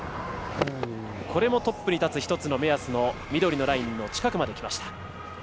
これでトップに立つ１つの目安の緑のラインの近くまで、きました。